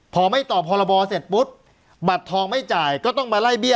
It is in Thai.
พอไม่ตอบพรบเสร็จปุ๊บบัตรทองไม่จ่ายก็ต้องมาไล่เบี้ย